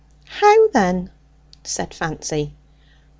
"How then?" said Fancy.